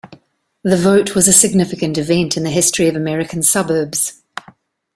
The vote was a significant event in the history of American suburbs.